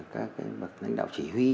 các cái lãnh đạo chỉ huy